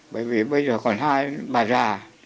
bởi vì bây giờ còn hai bà già